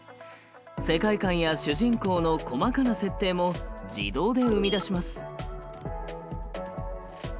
世界観や主人公の細かな設定も自動で生み出します。